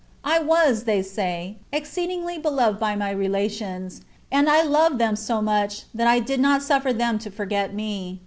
I was (they say) exceedingly beloved by my relations, and I loved them so much, that I did not suffer them to forget me.